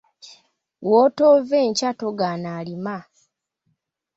Wootoove nkya togaana alima.